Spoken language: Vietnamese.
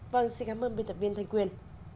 vâng xin cảm ơn biên tập viên thanh quyền